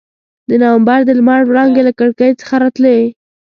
د نومبر د لمر وړانګې له کړکۍ څخه راتلې.